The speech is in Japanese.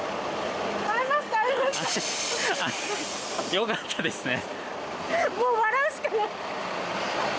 よかったですね。